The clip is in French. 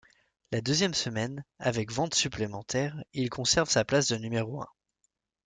La deuxième semaine, avec ventes supplémentaires, il conserve sa place de numéro un.